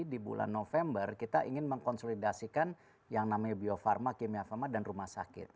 di bulan november kita ingin mengkonsolidasikan yang namanya bio farma kimia farma dan rumah sakit